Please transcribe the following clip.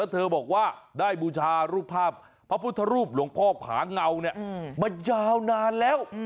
เธอบอกว่าได้บูชารูปภาพพระพุทธรูปหลวงพ่อผาเงามายาวนานแล้ว